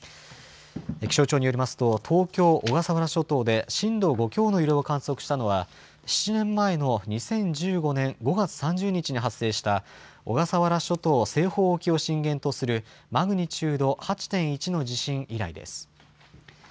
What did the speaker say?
気象庁によりますと、東京・小笠原諸島で、震度５強の揺れを観測したのは、７年前の２０１５年５月３０日に発生した、小笠原諸島西方沖を震源とする、マグニチュード８．１の地震以来です。